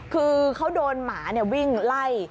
คือเขาโดนหมาวิ่งไล่